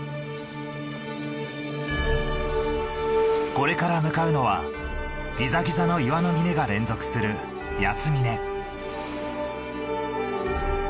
これから向かうのはギザギザの岩の峰が連続する八ツ峰。